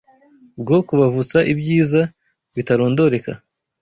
bwo kubavutsa ibyiza bitarondoreka